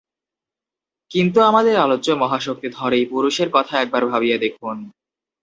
কিন্তু আমাদের আলোচ্য মহাশক্তিধর এই পুরুষের কথা একবার ভাবিয়া দেখুন।